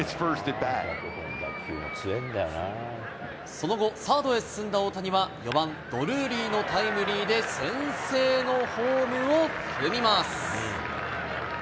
その後、サードへ進んだ大谷は４番ドルーリーのタイムリーで先制のホームを踏みます。